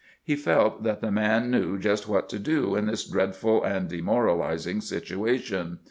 He felt that the man knew just what to do in this dreadful and demoralizing situation.